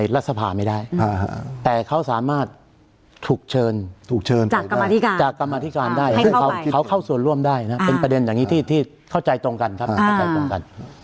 แล้วเชิญค่ะเนื้อหาค่ะ